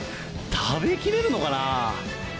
食べきれるのかな。